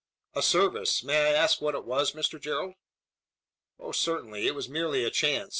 "A service! May I ask what it was, Mr Gerald?" "Oh, certainly. It was merely a chance.